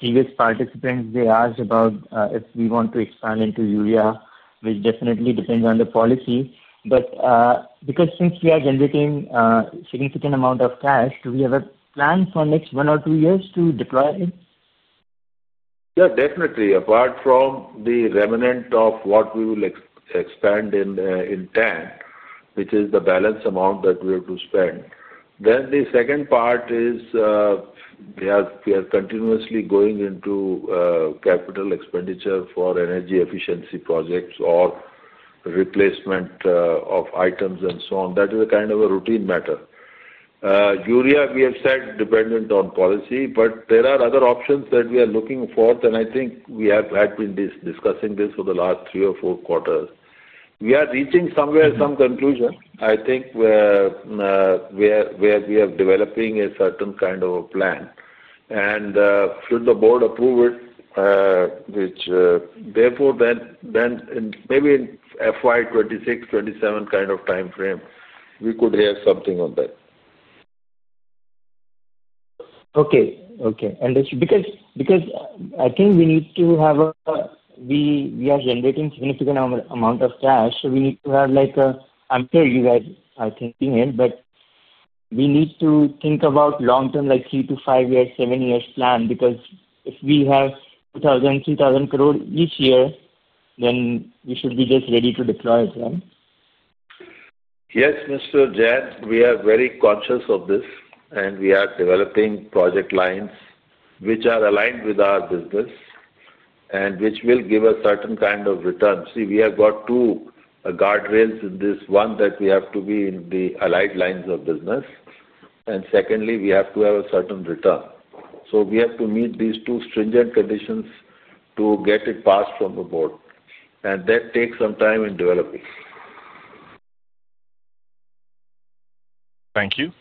previous participants, they asked about if we want to expand into urea, which definitely depends on the policy. Because since we are generating a significant amount of cash, do we have a plan for next one or two years to deploy it? Yeah, definitely. Apart from the remnant of what we will expand in 10, which is the balance amount that we have to spend, the second part is we are continuously going into capital expenditure for energy efficiency projects or replacement of items and so on. That is a kind of a routine matter. Urea, we have said, dependent on policy, but there are other options that we are looking for, and I think we have had been discussing this for the last three or four quarters. We are reaching somewhere, some conclusion, I think, where we are developing a certain kind of a plan. Should the board approve it, which therefore then maybe in FY 2026-2027 kind of time frame, we could have something on that. Okay, okay. I think we need to have a, we are generating a significant amount of cash, so we need to have like a, I'm sure you guys are thinking it, but we need to think about long-term, like three to five years, seven years plan, because if we have 2,000 crore, 3,000 crore each year, then we should be just ready to deploy it, right? Yes, Mr. Jain, we are very conscious of this, and we are developing project lines which are aligned with our business and which will give a certain kind of return. See, we have got two guardrails in this. One, that we have to be in the allied lines of business. Secondly, we have to have a certain return. We have to meet these two stringent conditions to get it passed from the board. That takes some time in developing. Thank you.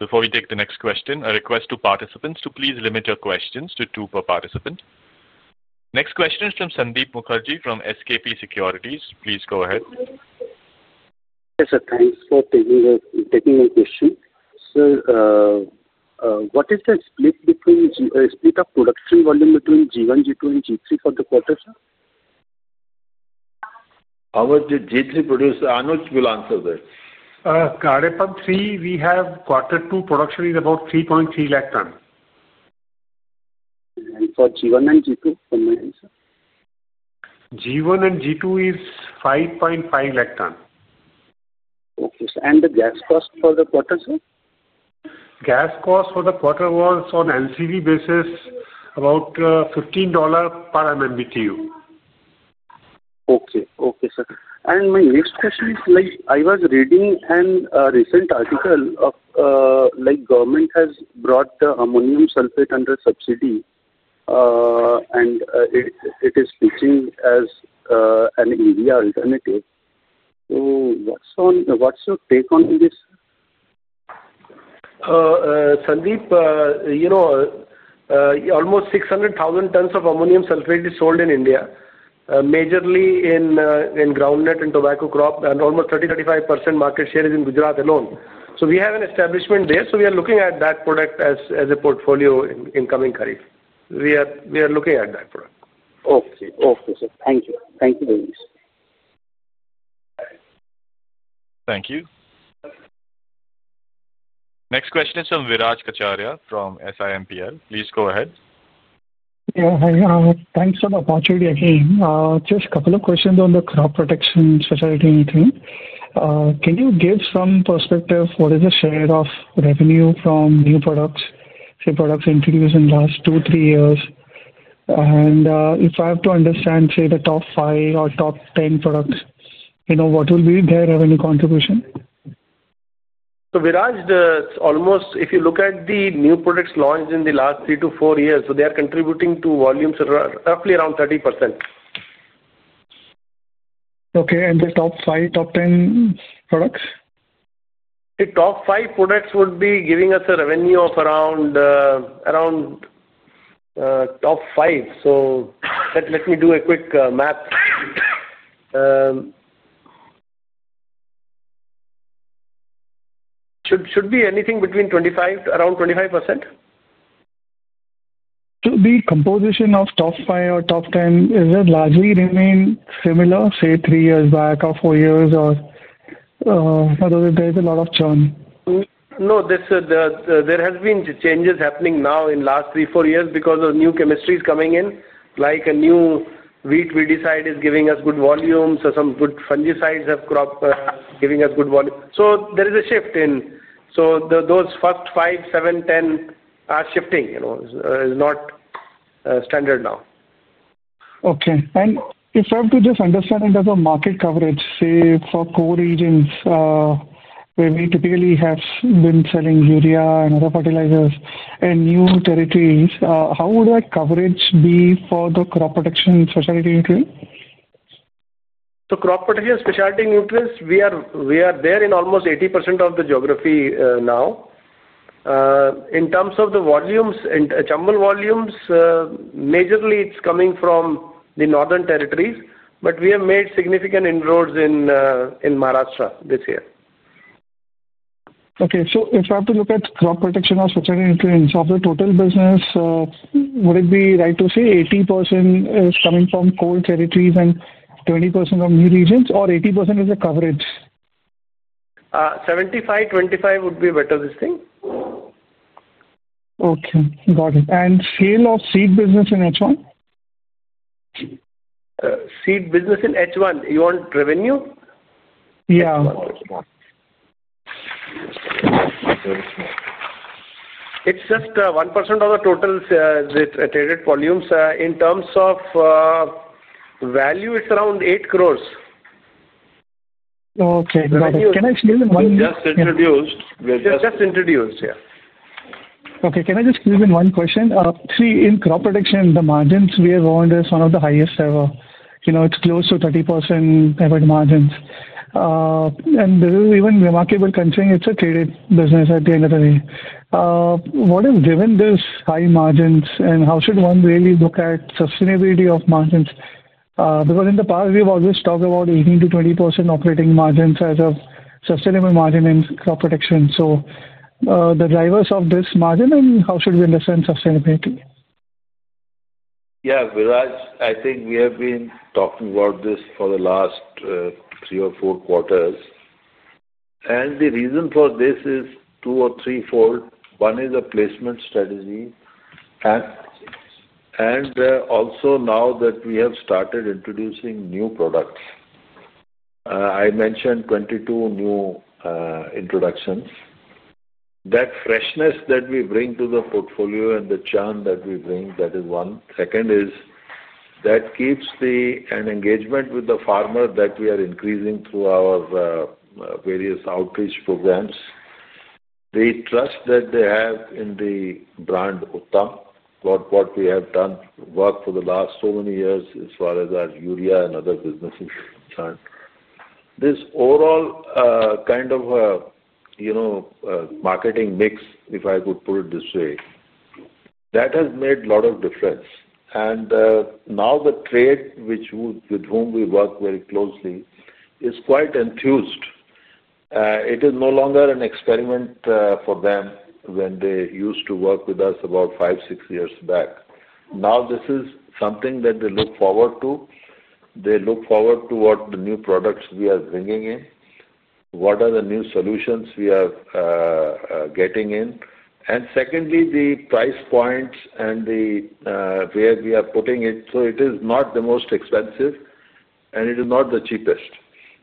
Before we take the next question, a request to participants to please limit your questions to two per participant. Next question is from Sandeep Mukherjee from SKP Securities. Please go ahead. Yes, sir. Thanks for taking my question. Sir, what is the split of production volume between G1, G2, and G3 for the quarter? How much did G3 produce? Anuj will answer that. Gadepan 3, we have quarter two production is about 3.3 lakh metric tons. For G1 and G2, what is the answer? G1 and G2 is 5.5 lakh metric tons. Okay, sir. The gas cost for the quarter, sir? Gas cost for the quarter was on NCV basis, about $15 per MMBtu. Okay, okay, sir. My next question is, I was reading a recent article of. Government has brought the ammonium sulfate under subsidy. It is pitching as. An urea alternative. What is your take on this, sir? Almost 600,000 tons of ammonium sulfate is sold in India, majorly in groundnut and tobacco crop, and almost 30-35% market share is in Gujarat alone. We have an establishment there, so we are looking at that product as a portfolio in coming Kharif. We are looking at that product. Okay, okay, sir. Thank you. Thank you very much. Thank you. Next question is from Viraj Kacharya from SIMPL. Please go ahead. Yeah, hi. Thanks for the opportunity again. Just a couple of questions on the crop protection facility thing. Can you give some perspective? What is the share of revenue from new products, say products introduced in the last two, three years? If I have to understand, say, the top five or top ten products, what will be their revenue contribution? Viraj, almost if you look at the new products launched in the last three to four years, they are contributing to volumes roughly around 30%. Okay. The top five, top ten products? The top five products would be giving us a revenue of around. Top five. Let me do a quick math. Should be anything between around 25%. The composition of top five or top ten, has it largely remained similar, say, three years back or four years, or is there a lot of churn? No, there have been changes happening now in the last three, four years because of new chemistries coming in, like a new wheat weedicide is giving us good volumes, or some good fungicides have given us good volume. There is a shift in, so those first five, seven, ten are shifting. It is not standard now. Okay. If I have to just understand in terms of market coverage, say, for four regions where we typically have been selling urea and other fertilizers and new territories, how would that coverage be for the crop protection specialty nutrients? Crop protection specialty nutrients, we are there in almost 80% of the geography now. In terms of the volumes, and Chambal volumes, majorly it's coming from the northern territories. We have made significant inroads in Maharashtra this year. Okay. So if I have to look at crop protection or specialty nutrients, of the total business. Would it be right to say 80% is coming from cold territories and 20% from new regions, or 80% is the coverage? 75, 25 would be better this time. Okay. Got it. And scale of seed business in H1? Seed business in H1? You want revenue? Yeah. It's just 1% of the total traded volumes. In terms of value, it's around 8 crore. Okay. Can I squeeze in one? We're just introduced. We're just introduced, yeah. Okay. Can I just squeeze in one question? See, in crop protection, the margins we have owned is one of the highest ever. It's close to 30% average margins. And this is even remarkable considering it's a traded business at the end of the day. What has given these high margins, and how should one really look at sustainability of margins? Because in the past, we've always talked about 18%-20% operating margins as a sustainable margin in crop protection. The drivers of this margin and how should we understand sustainability? Yeah, Viraj, I think we have been talking about this for the last three or four quarters. The reason for this is two or three-fold. One is a placement strategy. Also, now that we have started introducing new products. I mentioned 22 new introductions. That freshness that we bring to the portfolio and the churn that we bring, that is one. Second is that keeps the engagement with the farmer that we are increasing through our various outreach programs. The trust that they have in the brand Uttam, what we have done work for the last so many years as far as our urea and other businesses and churn. This overall kind of marketing mix, if I could put it this way, that has made a lot of difference. Now the trade with whom we work very closely is quite enthused. It is no longer an experiment for them when they used to work with us about five, six years back. Now this is something that they look forward to. They look forward to what the new products we are bringing in. What are the new solutions we are getting in. Secondly, the price points and where we are putting it. It is not the most expensive, and it is not the cheapest.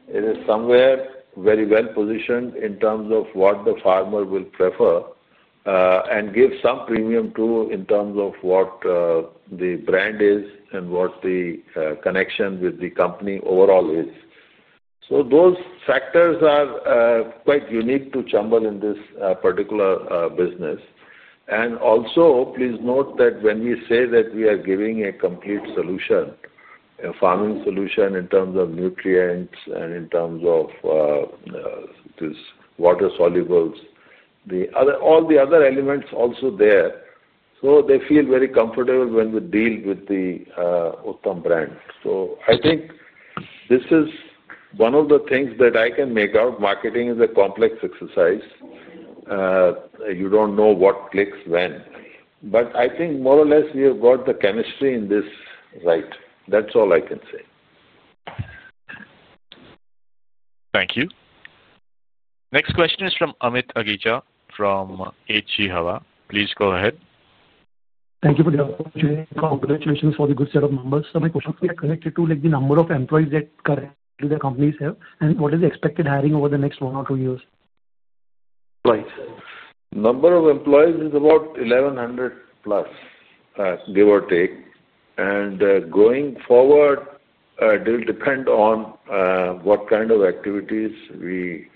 It is somewhere very well positioned in terms of what the farmer will prefer and give some premium to in terms of what the brand is and what the connection with the company overall is. Those factors are quite unique to Chambal in this particular business. Also, please note that when we say that we are giving a complete solution, farming solution in terms of nutrients and in terms of. Water solubles, all the other elements also there. They feel very comfortable when we deal with the Uttam brand. I think this is one of the things that I can make out. Marketing is a complex exercise. You do not know what clicks when. I think more or less we have got the chemistry in this right. That is all I can say. Thank you. Next question is from Amit Aghija from HG Hava. Please go ahead. Thank you for the opportunity. Congratulations for the good set of numbers. My question is, can I get to the number of employees that currently the companies have? What is the expected hiring over the next one or two years? Right. Number of employees is about 1,100 plus. Give or take. Going forward, it will depend on what kind of activities we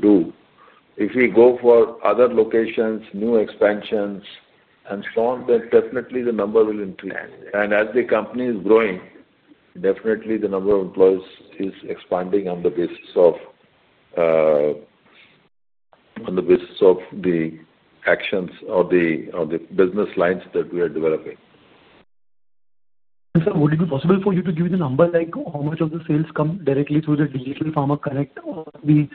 do. If we go for other locations, new expansions, and so on, then definitely the number will increase. As the company is growing, definitely the number of employees is expanding on the basis of the actions or the business lines that we are developing. Sir, would it be possible for you to give me the number? How much of the sales come directly through the Digital Farmer Connect or the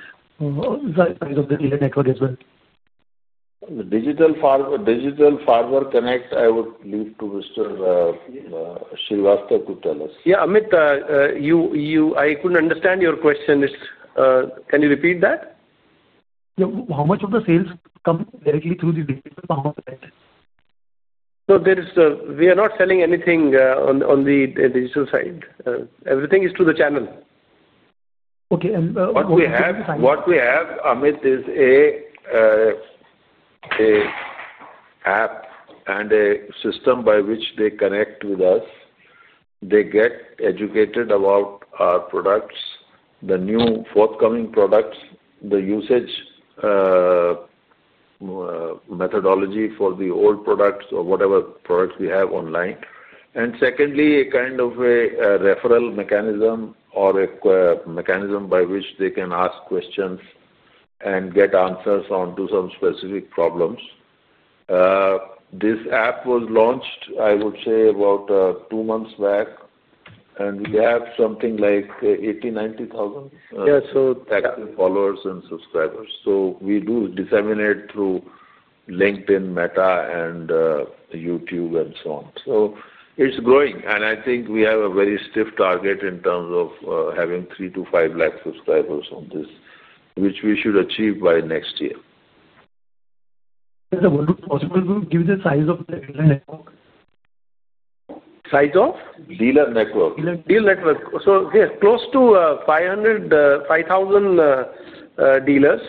size of the network as well? The Digital Farmer Connect, I would leave to Mr. Srivastava could tell us. Yeah, Amit. I couldn't understand your question. Can you repeat that? Yeah. How much of the sales come directly through the Digital Farmer Connect? We are not selling anything on the digital side. Everything is through the channel. Okay. What do you have? What we have, Amit, is an app and a system by which they connect with us. They get educated about our products, the new forthcoming products, the usage methodology for the old products or whatever products we have online. Secondly, a kind of a referral mechanism or a mechanism by which they can ask questions and get answers onto some specific problems. This app was launched, I would say, about two months back. We have something like 80,000-90,000. Yeah. So. Active followers and subscribers. We do disseminate through LinkedIn, Meta, and YouTube, and so on. It is growing. I think we have a very stiff target in terms of having 300,000-500,000 subscribers on this, which we should achieve by next year. Is it possible to give the size of the dealer network? Size of? Dealer network. Dealer network, so close to 5,000 dealers.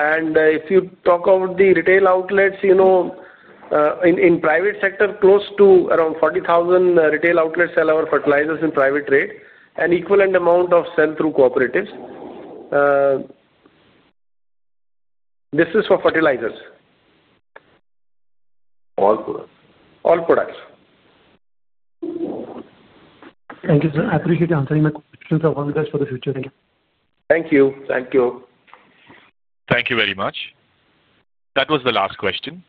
If you talk about the retail outlets, in private sector, close to around 40,000 retail outlets sell our fertilizers in private trade, and equal amount of sell through cooperatives. This is for fertilizers. All products. All products. Thank you, sir. I appreciate answering my questions for the future. Thank you. Thank you. Thank you. Thank you very much. That was the last question.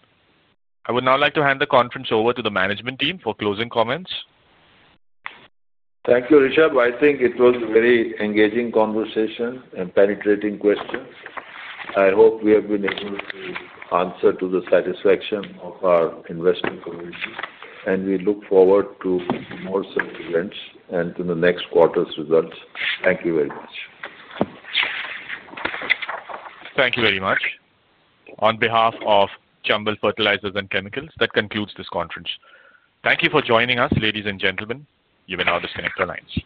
I would now like to hand the conference over to the management team for closing comments. Thank you, Rishabh. I think it was a very engaging conversation and penetrating questions. I hope we have been able to answer to the satisfaction of our investor community. We look forward to more such events and to the next quarter's results. Thank you very much. Thank you very much. On behalf of Chambal Fertilisers and Chemicals, that concludes this conference. Thank you for joining us, ladies and gentlemen. You may now disconnect our lines.